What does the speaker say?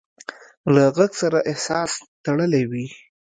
له غږ سره احساس تړلی وي.